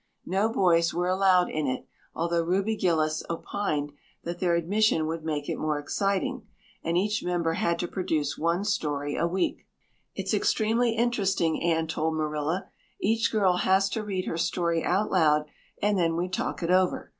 No boys were allowed in it although Ruby Gillis opined that their admission would make it more exciting and each member had to produce one story a week. "It's extremely interesting," Anne told Marilla. "Each girl has to read her story out loud and then we talk it over.